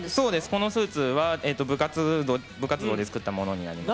このスーツは部活動で作ったものになります。